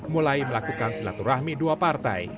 mulai melakukan silaturahmi dua partai